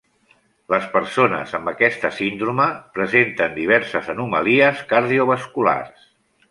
Les persones amb aquesta síndrome presenten diverses anomalies cardiovasculars.